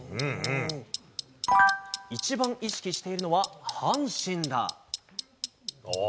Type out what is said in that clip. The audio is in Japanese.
一番意識しているのは阪神だ。